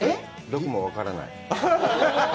どこも分からない。